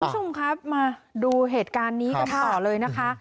คุณผู้ชมครับมาดูเหตุการณ์นี้กันต่อเลยนะคะ